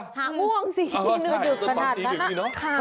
หาวง่วงสิที่เหนือหยุดขนาดนั้น